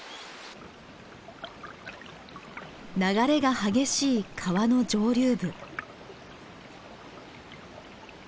流れが激しい川の上流部。